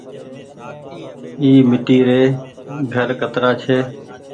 اي ميٽي ري گهر ڪترآ ڇي۔